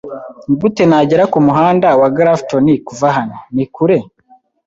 Nigute nagera kumuhanda wa Grafton kuva hano? Ni kure?